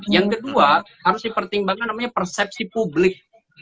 yang kedua harus dipertimbangkan namanya persepsi publik